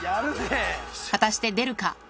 果たして出るか？